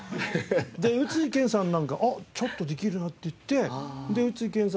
で宇津井健さんなんかあっちょっとできるなっていって宇津井健さん。